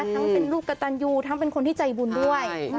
ทั้งเป็นลูกกระตันยูทั้งเป็นคนที่ใจบุญด้วย